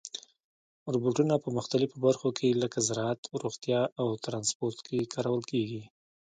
روبوټونه په مختلفو برخو کې لکه زراعت، روغتیا او ترانسپورت کې کارول کېږي.